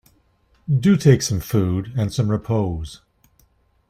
Do take some food, and some repose.